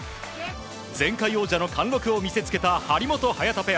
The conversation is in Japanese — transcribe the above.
前回王者の貫禄を見せつけた張本・早田ペア。